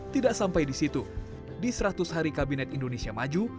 tidak sampai di situ di seratus hari kabinet indonesia maju